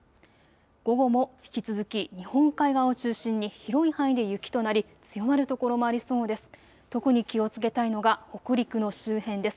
午後も引き続き日本海側を中心に広い範囲で雪となり強まる所もありそうです。